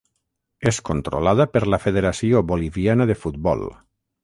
És controlada per la Federació Boliviana de Futbol.